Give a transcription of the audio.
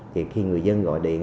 thì khi người dân gọi điện